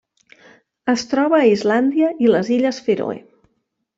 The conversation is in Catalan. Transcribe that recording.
Es troba a Islàndia i les Illes Fèroe.